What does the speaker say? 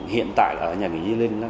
hiện tại ở nhà nghị di linh